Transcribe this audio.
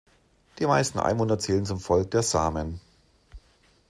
Die meisten Einwohner zählen zum Volk der Samen.